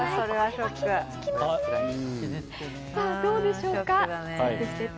さあ、どうでしょうか？